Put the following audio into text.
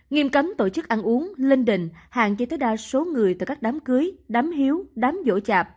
nghiêm cấm tổ chức ăn uống linh đình hạn chế tối đa số người từ các đám cưới đám hiếu đám vỗ chạp